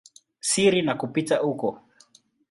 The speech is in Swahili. siri na kupita huko.